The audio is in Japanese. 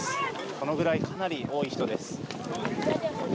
このぐらいかなり多い人です。